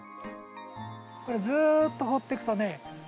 これずっと放っておくとね